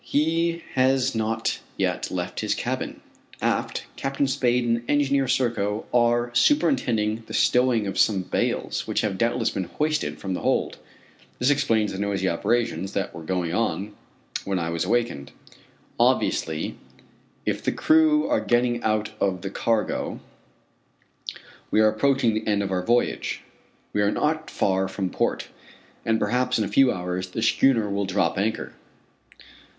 He has not yet left his cabin. Aft, Captain Spade and Engineer Serko are superintending the stowing of some bales, which have doubtless been hoisted from the hold. This explains the noisy operations that were going on when I was awakened. Obviously, if the crew are getting out the cargo, we are approaching the end of our voyage. We are not far from port, and perhaps in a few hours, the schooner will drop anchor.